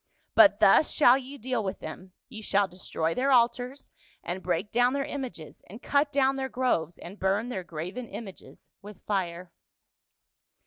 But thus shall ye deal with them ; ye shall destroy their altars, and break down their images, and cut down their groves, and burn their graven images with fire.'